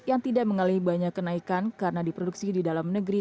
yang tidak mengalih banyak kenaikan karena diproduksi di dalam negeri